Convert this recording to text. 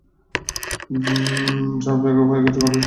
যাও pack up হয়ে গেছে, কাল এসো অডিশনের জন্য।